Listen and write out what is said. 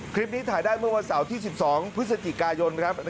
คลิปนี้ถ่ายได้เมื่อวันเสาร์ที่๑๒พฤศจิกายนครับ